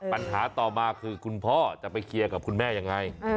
ปัญหาต่อมาคือคุณพ่อจะไปเคลียร์กับคุณแม่ยังไง